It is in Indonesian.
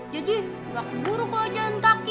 jadi gak keburu kalo jalan kaki